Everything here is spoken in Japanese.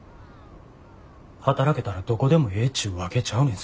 働けたらどこでもええちゅうわけちゃうねんぞ。